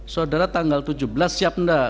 saudara tanggal tujuh belas siap enggak